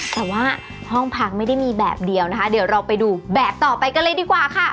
แต่ว่าห้องพักไม่ได้มีแบบเดียวนะคะเดี๋ยวเราไปดูแบบต่อไปกันเลยดีกว่าค่ะ